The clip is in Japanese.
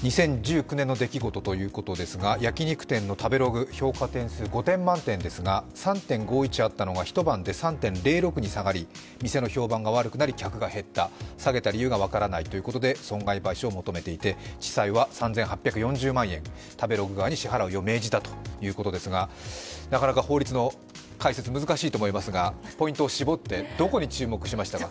２０１９年の出来事ということですが、焼き肉店の食べログ、評価点数５点満点ですが３．５１あったのが一晩で３．０６に下がり、店の評判が悪くなり、客が減った、下げた理由が分からないということで損害賠償を求めていて地裁は３８４０万円、食べログ側に支払うよう命じたということですがなかなか法律の解説、難しいと思いますが、ポイントを絞って、菊間さんはどこに注目しましたか。